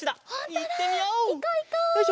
いってみよう！